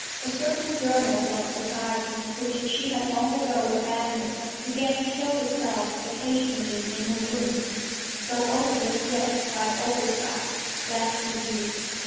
A certain journal of society which she had long ago abandoned began to show itself occasionally in her rooms, though only as yet by oversight left to view.